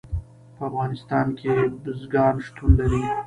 په افغانستان کې بزګان شتون لري.